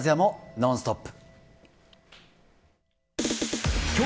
ノンストップ！